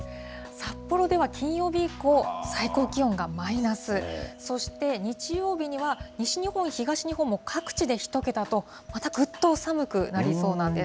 札幌では金曜日以降、最高気温がマイナス、そして日曜日には、西日本、東日本も各地で１桁と、またぐっと寒くなりそうなんです。